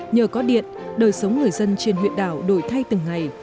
nhờ có điện đời sống người dân trên huyện đảo đổi thay từng ngày